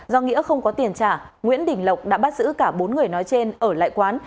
do nghĩa không có tiền trả nguyễn đình lộc đã bắt giữ cả bốn người nói trên ở lại quán